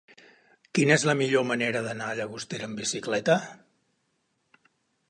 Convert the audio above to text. Quina és la millor manera d'anar a Llagostera amb bicicleta?